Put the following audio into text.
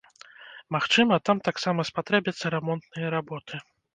Магчыма, там таксама спатрэбяцца рамонтныя работы.